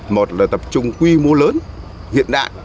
một là tập trung quy mô lớn hiện đại